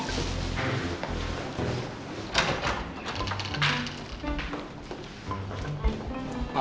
terima kasih ya